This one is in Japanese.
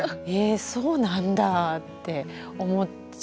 そうなんだって思っちゃいました。